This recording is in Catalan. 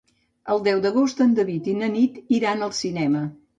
El deu d'agost en David i na Nit iran al cinema.